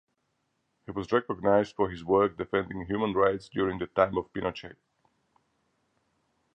He was recognized for his work defending human rights during the time of Pinochet.